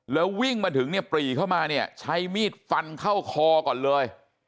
แล้ววิ่งมาถึงเนี่ยปรีเข้ามาเนี่ยใช้มีดฟันเข้าคอก่อนเลย